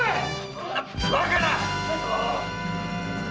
そんなバカな！